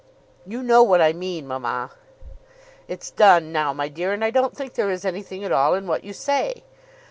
"You know what I mean, mamma." "It's done now, my dear, and I don't think there is anything at all in what you say."